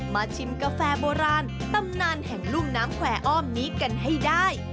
ชิมกาแฟโบราณตำนานแห่งลุ่มน้ำแขวอ้อมนี้กันให้ได้